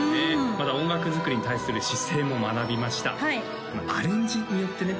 また音楽作りに対する姿勢も学びましたアレンジによってね